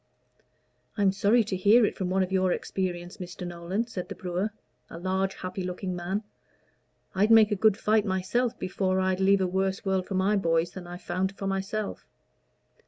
"I am sorry to hear it from one of your experience, Mr. Nolan," said the brewer, a large, happy looking man. "I'd make a good fight myself before I'd leave a worse world for my boys than I've found for myself.